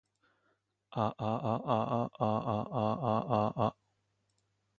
あああああああああああ